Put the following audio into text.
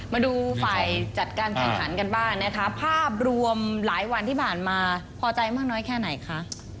มาดูฝ่ายจัดการแข่งขันกันบ้างนะคะภาพรวมหลายวันที่ผ่านมาพอใจมากน้อยแค่ไหนคะ